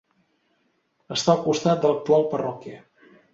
Està al costat de l'actual parròquia.